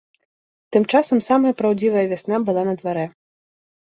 Тым часам самая праўдзівая вясна была на дварэ.